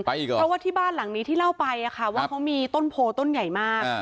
เพราะว่าที่บ้านหลังนี้ที่เล่าไปว่าเขามีต้นโพต้นใหญ่มาก